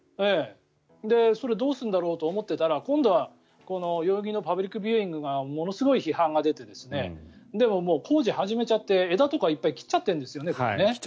それをどうするんだろうと思っていたら今度は代々木のパブリックビューイングがものすごい批判が出てでも、もう工事を始めちゃって枝とかいっぱい切っちゃってるんですよね。